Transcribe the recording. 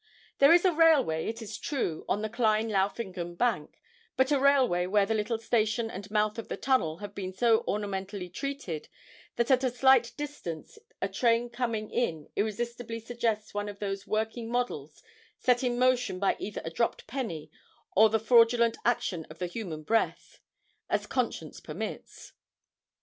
There is a railway, it is true, on the Klein Laufingen bank, but a railway where the little station and mouth of the tunnel have been so ornamentally treated that at a slight distance a train coming in irresistibly suggests one of those working models set in motion by either a dropped penny or the fraudulent action of the human breath, as conscience permits.